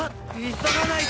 急がないと！